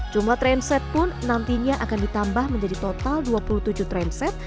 jumlah trainset pun nantinya akan ditambah menjadi total dua puluh tujuh trainset